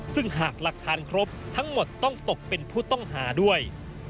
ซึ่งหากหลักฐานครบทั้งหมดต้องตกเป็นผู้ต้องหาด้วย